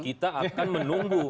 kita akan menunggu